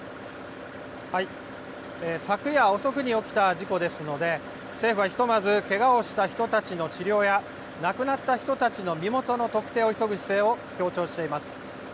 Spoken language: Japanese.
昨夜遅くに起きた事故ですので、政府はひとまず、けがをした人たちの治療や、亡くなった人たちの身元の特定を急ぐ姿勢を強調しています。